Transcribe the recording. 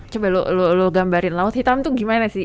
coba lo gambarin laut hitam itu gimana sih